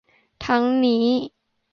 ทั้งนี้